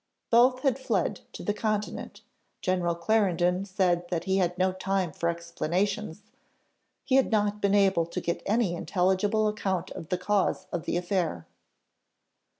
Both had fled to the Continent. General Clarendon said that he had no time for explanations, he had not been able to get any intelligible account of the cause of the affair.